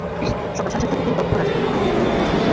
সকাল সাড়ে সাতটার দিকে দগ্ধ রাজাকে ঢাকা মেডিকেলে নিয়ে যাওয়া হয়।